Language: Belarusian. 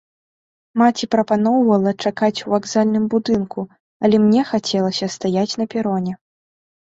Маці прапаноўвала чакаць у вакзальным будынку, але мне хацелася стаяць на пероне.